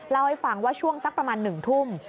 เล่าให้ฟังว่าช่วงสักประมาณ๑ทุ่ม